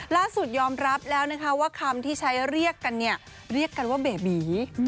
ยอมรับแล้วนะคะว่าคำที่ใช้เรียกกันเนี่ยเรียกกันว่าเบบี